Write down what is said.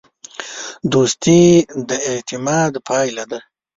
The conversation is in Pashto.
دوستي د اعتماد پایله ده.